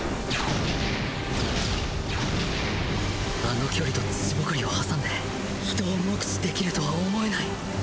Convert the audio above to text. あの距離と土埃を挟んで人を目視できるとは思えない